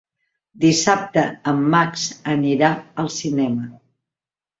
Dissabte en Max anirà al cinema.